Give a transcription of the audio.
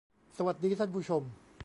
สวัสดีท่านผู้ชม